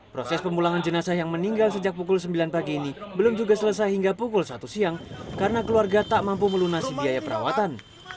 proses pemulangan jenazah yang meninggal sejak pukul sembilan pagi ini belum juga selesai hingga pukul satu siang karena keluarga tak mampu melunasi biaya perawatan